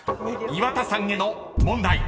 岩田さんへの問題］